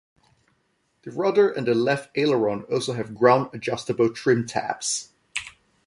The rudder and the left aileron also have ground-adjustable trim tabs.